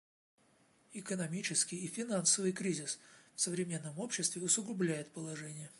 Экономический и финансовый кризис в современном обществе усугубляет положение.